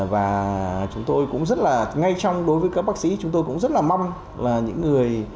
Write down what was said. và chúng tôi cũng rất là ngay trong đối với các bác sĩ chúng tôi cũng rất là mong là những người